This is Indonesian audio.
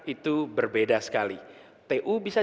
itu berbeda sekali tu bisa